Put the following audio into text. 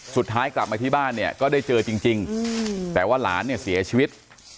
สุดท้ายกลับมาที่บ้านเนี่ยก็ได้เจอจริงแต่ว่าหลานเนี่ยเสียชีวิต